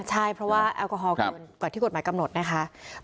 ใช่เพราะว่าแอลกอฮอลเกินกว่าที่กฎหมายกำหนดนะคะ